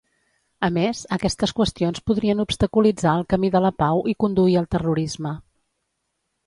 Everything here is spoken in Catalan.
A més, aquestes qüestions podrien obstaculitzar el camí de la pau i conduir al terrorisme.